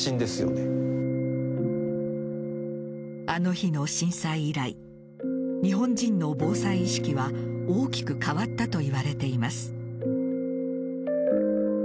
あの日の震災以来日本人の防災意識は大きく変わったといわれています。